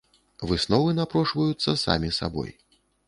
Высновы напрошваюцца самі сабой.